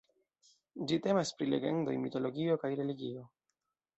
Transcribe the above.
Ĝi temas pri legendoj, mitologio kaj religio.